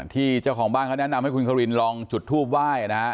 เจ้าของบ้านเขาแนะนำให้คุณควินลองจุดทูปไหว้นะฮะ